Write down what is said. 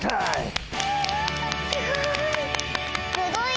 すごい！